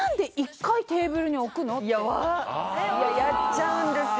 いややっちゃうんですよ